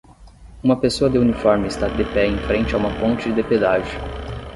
Uma pessoa de uniforme está de pé em frente a uma ponte de pedágio